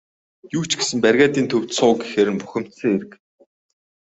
Юу ч гэсэн бригадын төвд суу гэхээр нь бухимдсан хэрэг.